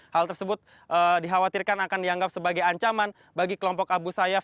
hal tersebut dikhawatirkan akan dianggap sebagai ancaman bagi kelompok abu sayyaf